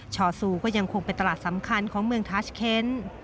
ชอซูก็ยังคงเป็นตลาดสำคัญของเมืองทัชเคน